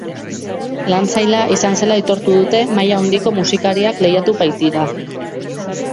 Lan zaila izan dela aitortu dute, maila handiko musikariak lehiatu baitira.